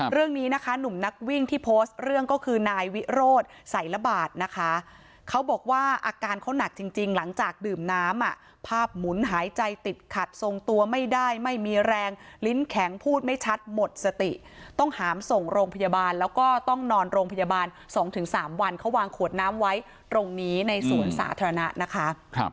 เรื่องนี้นะคะหนุ่มนักวิ่งที่โพสต์เรื่องก็คือนายวิโรธใส่ระบาดนะคะเขาบอกว่าอาการเขาหนักจริงหลังจากดื่มน้ำภาพหมุนหายใจติดขัดทรงตัวไม่ได้ไม่มีแรงลิ้นแข็งพูดไม่ชัดหมดสติต้องหามส่งโรงพยาบาลแล้วก็ต้องนอนโรงพยาบาล๒๓วันเขาวางขวดน้ำไว้ตรงนี้ในสวนสาธารณะนะคะ